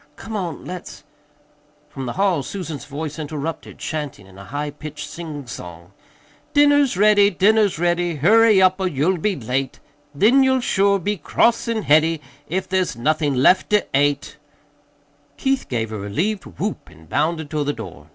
"Come on, let's " From the hall Susan's voice interrupted, chanting in a high pitched singsong: "Dinner's ready, dinner's ready, Hurry up, or you'll be late, Then you'll sure be cross and heady If there's nothin' left to ate." Keith gave a relieved whoop and bounded toward the door.